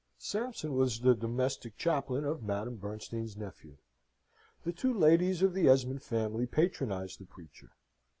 Sampson was the domestic chaplain of Madame Bernstein's nephew. The two ladies of the Esmond family patronised the preacher.